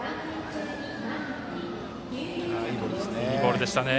いいボールでしたね。